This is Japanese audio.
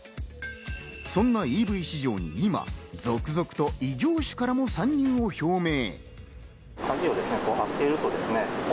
そんなＥＶ市場に今、続々と異業種からも参入を表明。